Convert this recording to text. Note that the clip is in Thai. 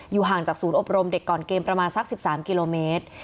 ห่างจากศูนย์อบรมเด็กก่อนเกมประมาณสัก๑๓กิโลเมตร